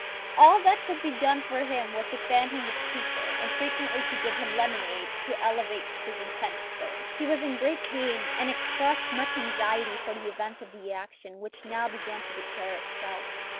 All that could be done was to fan him with paper, and frequently to give him lemonade to alleviate his intense thirst. He was in great pain, and expressed much anxiety for the event of the action, which now began to declare itself.